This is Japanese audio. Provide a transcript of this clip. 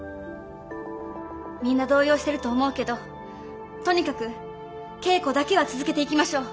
みんな動揺してると思うけどとにかく稽古だけは続けていきましょう。